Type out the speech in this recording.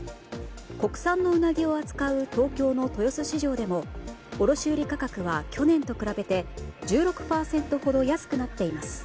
国産のウナギを扱う東京の豊洲市場でも卸売価格は、去年と比べて１６％ほど安くなっています。